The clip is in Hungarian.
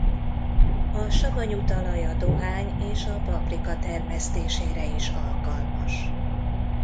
A savanyú talaj a dohány és a paprika termesztésére is alkalmas.